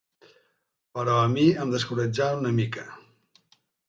Però a mi em descoratjà una mica